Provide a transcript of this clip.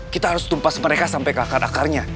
kita harus tumpas mereka sampai ke akar akarnya